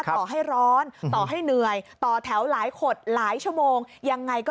ต่อให้ร้อนต่อให้เหนื่อยต่อแถวหลายขดหลายชั่วโมงยังไงก็